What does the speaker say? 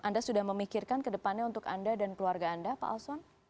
anda sudah memikirkan ke depannya untuk anda dan keluarga anda pak alson